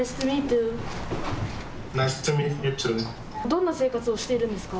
どんな生活をしているんですか。